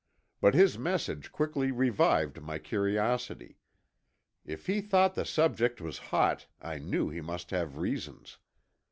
But his message quickly revived my curiosity. If he thought the subject was hot, I knew he must have reasons.